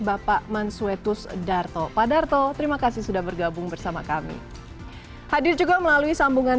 bapak mansuetus darto pak darto terima kasih sudah bergabung bersama kami hadir juga melalui sambungan